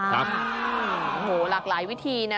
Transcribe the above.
โอ้โหหลากหลายวิธีนะ